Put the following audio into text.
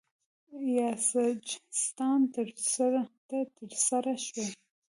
یا سجستان ته ترسره شوی